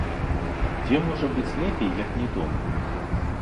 Дзе можа быць лепей, як не дома?